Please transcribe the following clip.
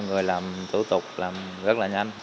người làm thủ tục làm rất là nhanh